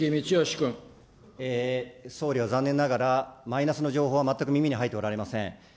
総理は残念ながら、マイナスの情報は全く耳に入っておられません。